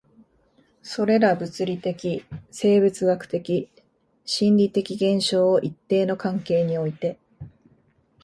それら物理的、生物学的、心理的現象を一定の関係において